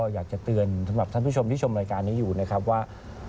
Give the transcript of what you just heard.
อยากจะเตือนสำหรับท่านผู้ชมที่ชมรายการนี้อยู่นะครับว่า